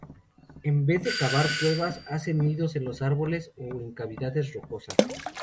En vez de cavar cuevas, hacen nidos en los árboles o en cavidades rocosas.